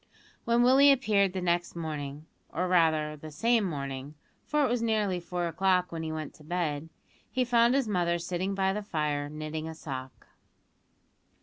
When Willie appeared next morning or rather, the same morning, for it was nearly four o'clock when he went to bed he found his mother sitting by the fire knitting a sock.